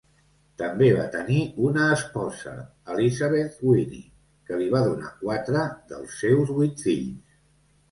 També va tenir una esposa, Elizabeth Whinny, que li va donar quatre dels seus vuit fills.